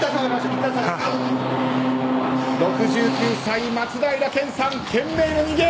６９歳、松平健さん、懸命な逃げ。